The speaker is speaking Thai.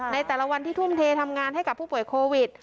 ในแต่ละวันที่ทุ่มเททำงานให้กับผู้ป่วยโควิด